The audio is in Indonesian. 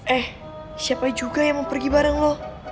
eh siapa juga yang mau pergi bareng loh